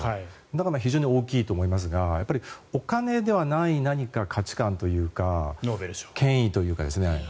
だから非常に大きいと思いますがお金ではない何か価値観というか権威というか。